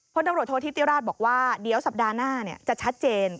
ตำรวจโทษธิติราชบอกว่าเดี๋ยวสัปดาห์หน้าจะชัดเจน